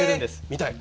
見たい。